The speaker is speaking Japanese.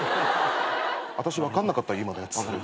あたし分かんなかった今のやつ。